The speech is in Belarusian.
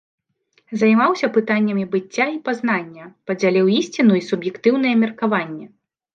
Займаўся пытаннямі быцця і пазнання, падзяліў ісціну і суб'ектыўнае меркаванне.